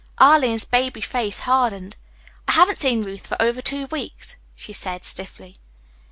Arline's baby face hardened. "I haven't seen Ruth for over two weeks," she said stiffly.